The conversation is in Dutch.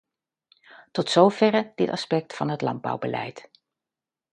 Tot zoverre dit aspect van het landbouwbeleid.